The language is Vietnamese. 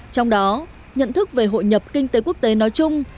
trong đó nhận thức về hội nhập kinh tế quốc tế nói chung